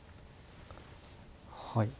はい。